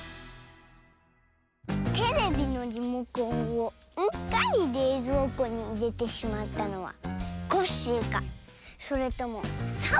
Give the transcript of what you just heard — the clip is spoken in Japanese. テレビのリモコンをうっかりれいぞうこにいれてしまったのはコッシーかそれともサボさんか。